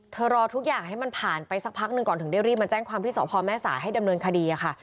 รอทุกอย่างให้มันผ่านไปสักพักหนึ่งก่อนถึงได้รีบมาแจ้งความที่สพแม่สายให้ดำเนินคดีค่ะ